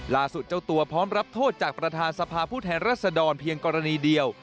เจ้าตัวพร้อมรับโทษจากประธานสภาผู้แทนรัศดรเพียงกรณีเดียว